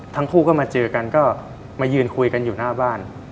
ทั้งคู่ก็มาเจอกันก็มายืนคุยกันอยู่หน้าบ้าน